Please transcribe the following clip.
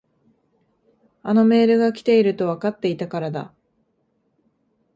あのメールが来ているとわかっていたからだ。